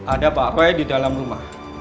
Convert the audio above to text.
ada pak roy di dalam rumah